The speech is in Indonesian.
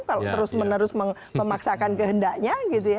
kalau terus menerus memaksakan kehendaknya